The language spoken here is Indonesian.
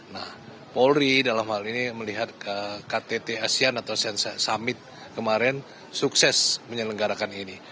nah polri dalam hal ini melihat ktt asean atau summit kemarin sukses menyelenggarakan ini